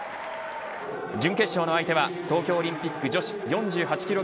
準決勝の相手は東京オリンピック女子４８キロ